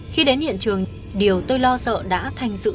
khi đến hiện trường điều tôi lo sợ đã thành sự